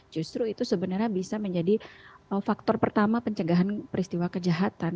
justru itu sebenarnya bisa menjadi faktor pertama pencegahan peristiwa kejahatan